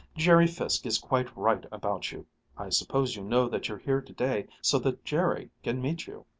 "Jerry Fiske is quite right about you. I suppose you know that you're here today so that Jerry can meet you."